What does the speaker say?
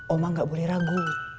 omah gak boleh ragu